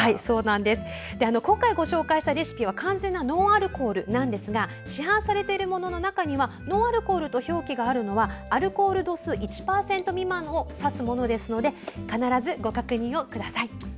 今回、ご紹介したレシピは完全なノンアルコールなんですが市販されているものの中にはノンアルコールと表記があるのはアルコール度数１％未満のものを指すので必ず、ご確認ください。